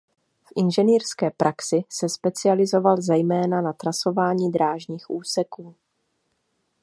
V inženýrské praxi se specializoval zejména na trasování drážních úseků.